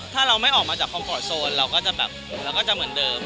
ถ้าเราไม่ออกมาจากคอมฟอร์ตโซนเราก็จะแบบเราก็จะเหมือนเดิม